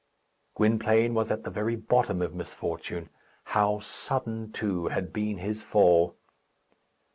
Gwynplaine was at the very bottom of misfortune. How sudden, too, had been his fall!